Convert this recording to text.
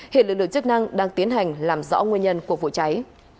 hiện lực lượng chức năng đang tiến hành làm rõ nguyên nhân của vụ cháy